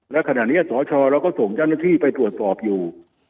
และขณะนี้สชเราก็ส่งเจ้าหน้าที่ไปตรวจสอบอยู่